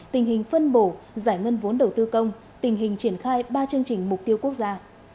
tình hình phân bổ giải ngân vốn đầu tư công tình hình triển khai ba chương trình mục tiêu quốc gia